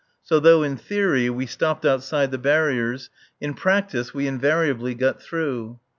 So, though in theory we stopped outside the barriers, in practice we invariably got through.